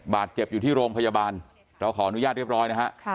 บาดเจ็บอยู่ที่โรงพยาบาลเราขออนุญาตเรียบร้อยนะฮะ